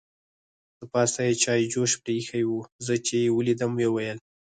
له پاسه یې چای جوش پرې اېښې وه، زه چې یې ولیدم ویې ویل.